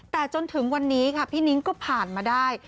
แต่จนถึงวันนี้ค่ะพี่นิ้งก็ผ่านมาได้